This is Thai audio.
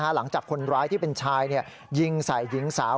หลังจากคนร้ายที่เป็นชายยิงใส่หญิงสาว